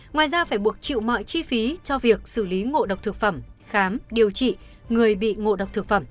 ngoài ra phải buộc chịu mọi chi phí cho việc xử lý ngộ độc thực phẩm khám điều trị người bị ngộ độc thực phẩm